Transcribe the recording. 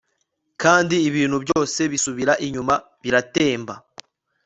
kandi ibintu byose bisubira inyuma, biratemba